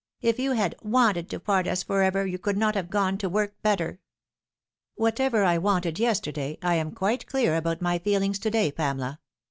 " If you had WANTED to part us for ever you could not have gone, to work better." " Whatever I wanted yesterday, I am quite clear about my feelings to day, Pamela.